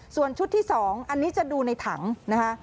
ส่วนชุดที่๒อันนี้จะดูในถังนะคะ